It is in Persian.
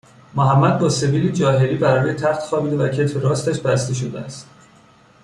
محمد با سبیلی جاهلی بر روی تخت خوابیده و کتف راستش بسته شده است